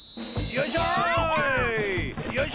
よいしょい！